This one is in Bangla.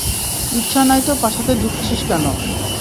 ইচ্ছা নাই তো পাছাতে ডুকছিস কেন?